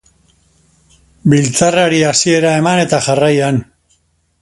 Biltzarrari hasiera eman eta jarraian.